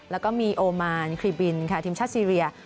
แล้วก็มีโอมานครีบินค่ะทีมชาติซีเรีย